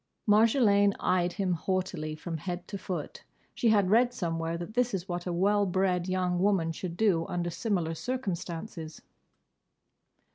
Marjolaine eyed him haughtily from head to foot. She had read somewhere that this is what a well bred young woman should do under similar circumstances.